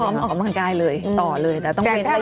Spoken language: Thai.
ออกกำลังกายเลยต่อเลยแต่ต้องเป็นอะไร